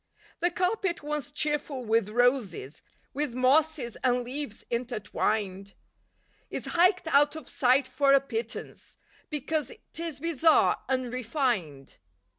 The carpet once cheerful with roses, With mosses and leaves intertwined, Is hiked out of sight for a pittance, Because 'tis "bizarre" "unrefined."